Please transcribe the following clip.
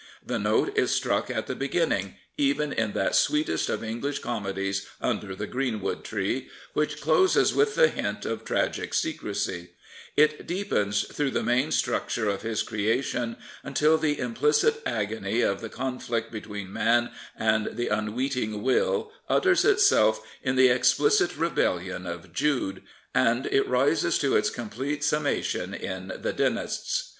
The note is struck at the beginning, even in that sweetest of English comedies, Under the Greenwood Tree, which closes with the hint of tragic secrecy ; it deepens through the main structure of his :reation until the implicit agony of the conflict be tween man and the unweeting Will " utters itself in the explicit rebellion of Jude, and it rises to its complete summation in the " Dynasts."